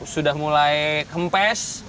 sudah mulai kempes